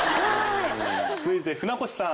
続いて船越さん。